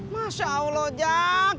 masya allah jack